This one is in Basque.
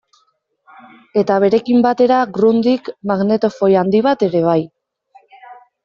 Eta berekin batera Grundig magnetofoi handi bat ere bai.